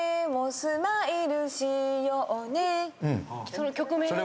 その曲名を。